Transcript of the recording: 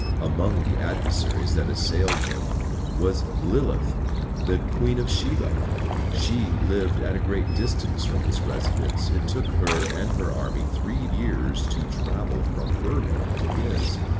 Among the adversaries that assailed him was Lilith, the queen of Sheba. She lived at a great distance from his residence, it took her and her army three years to travel from her home to his.